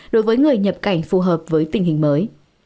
đối với người nhập cảnh phù hợp với tình hình mới